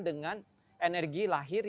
dengan energi lahir